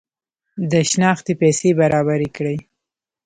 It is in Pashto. د شنختې پیسې برابري کړي.